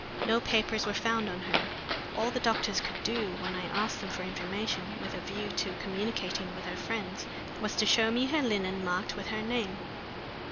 No papers were found on her. All the doctors could do, when I asked them for information with a view to communicating with her friends, was to show me her linen marked with her, name.